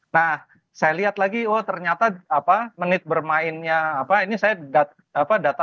nah saya lihat lagi oh ternyata menit bermainnya ini saya data dapat dari kauk